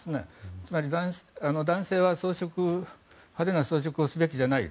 つまり男性は派手な装飾をすべきじゃないと。